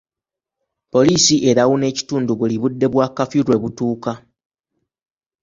Poliisi erawuna ekitundu buli budde bwa kafyu lwe butuuka.